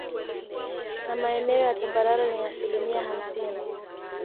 Na maeneo ya tambarare ni asilimia hamsini